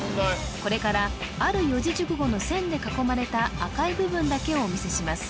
これからある四字熟語の線で囲まれた赤い部分だけお見せします